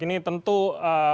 ini tentu menjadikan